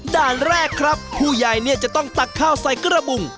ด่านแรกครับผู้ใหญ่เนี่ยจะต้องตักข้าวใส่กระบุง